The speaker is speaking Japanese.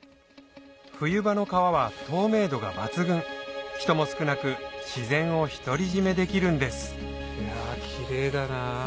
冬場の川は透明度が抜群人も少なく自然を独り占めできるんですキレイだな。